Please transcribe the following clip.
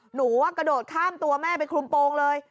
หนูกระโดดข้ามตัวแม่ไปคลุมโปรงเลย